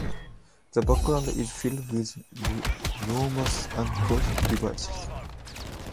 The background is filled with rhombus and cross devices.